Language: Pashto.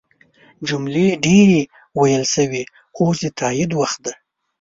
جملې ډیرې ویل شوي اوس د تایید وخت دی.